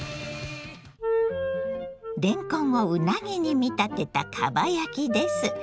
れんこんをうなぎに見立てたかば焼きです。